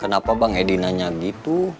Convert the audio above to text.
kenapa bang edi nanya gitu